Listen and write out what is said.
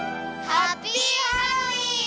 ハッピーハロウィーン！